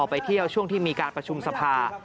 ไปเที่ยวช่วงที่มีการประชุมสภา